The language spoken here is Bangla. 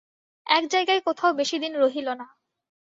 এক জায়গায় কোথাও বেশি দিন রহিল না।